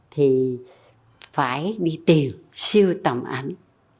thì phải đi tìm sưu tầm ảnh